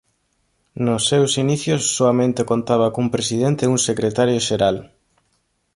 Nos seus inicios soamente contaba cun presidente e un secretario xeral.